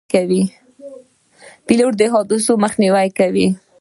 پیلوټ د حادثو مخنیوی کوي.